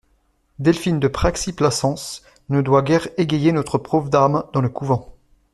Delphine de Praxi-Blassans ne doit guère égayer notre pauvre dame dans le couvent.